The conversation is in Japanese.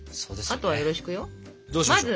あとはよろしくよ。